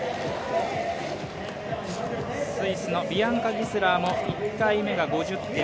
スイスのビアンカ・ギスラーも１回目が５０．００。